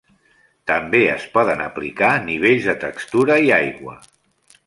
També es poden aplicar nivells de textura i aigua.